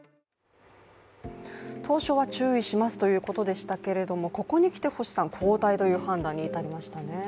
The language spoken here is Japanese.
当初は注意しますということでしたけれどもここに来て星さん、交代という判断に至りましたね。